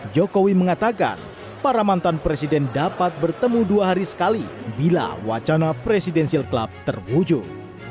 jokowi mengatakan para mantan presiden dapat bertemu dua hari sekali bila wacana presidensial club terwujud